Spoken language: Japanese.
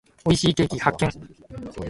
美味しいケーキ発見。